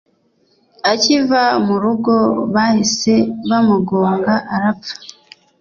akiva mu rugo bahise bamugonga arapfa